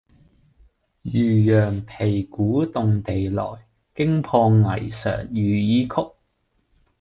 漁陽鼙鼓動地來，驚破霓裳羽衣曲。